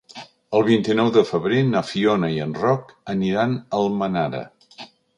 El vint-i-nou de febrer na Fiona i en Roc aniran a Almenara.